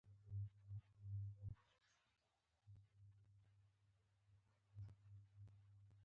نور مرستندویه کارونه کړي وو، هغه هم ریاست په زور بند کړل.